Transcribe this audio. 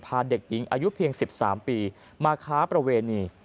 พาเด็กหญิงอายุเพียง๑๓ปีมาค้าประเวณี